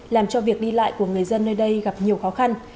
làm cho việc đi lại của người dân nơi đây gặp nhiều khó khăn